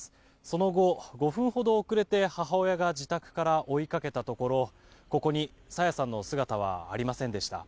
その後、５分ほど遅れて母親が自宅から追いかけたところここに、朝芽さんの姿はありませんでした。